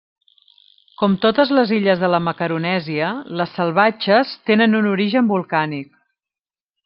Com totes les illes de la Macaronèsia, les Salvatges tenen un origen volcànic.